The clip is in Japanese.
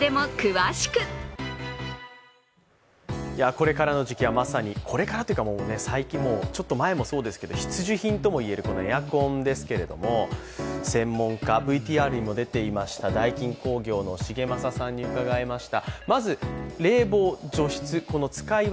これからの時期はこれからというか、最近ちょっと前もそうですけど、必需品ともいわれるエアコンですけれども、専門家、ダイキン工業の重政さんに伺いました。